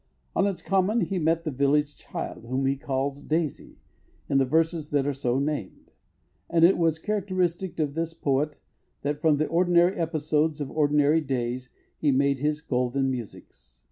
On its common he met the village child, whom he calls "Daisy," in the verses that are so named. And it was characteristic of this poet that from the ordinary episodes of ordinary days he made his "golden musics."